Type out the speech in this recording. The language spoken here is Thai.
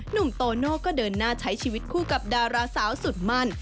หนุ่มโตโน่ก็เดินหน้าใช้ชีวิตคู่กับดาราสาวสุดมั่น